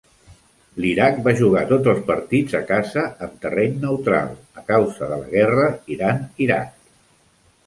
L'Iraq va jugar tots els partits a casa en terreny neutral a causa de la guerra Iran-Iraq.